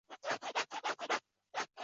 随时注意时间的习惯